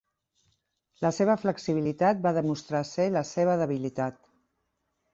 La seva flexibilitat va demostrar ser la seva debilitat.